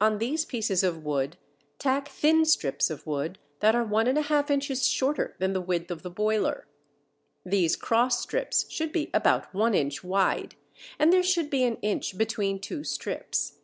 On these pieces of wood tack thin strips of wood that are 1½ inches shorter than the width of the boiler. These cross strips should be about 1 inch wide, and there should be an inch between two strips.